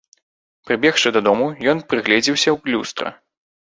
Прыбегшы дадому, ён прыгледзеўся ў люстра.